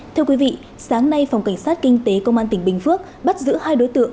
thưa quý vị sáng nay phòng cảnh sát kinh tế công an tỉnh bình phước bắt giữ hai đối tượng